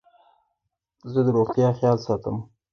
زه د روغتیا خیال ساتم.